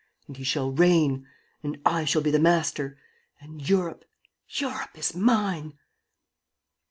And he shall reign! And I shall be the master! And Europe, Europe is mine!"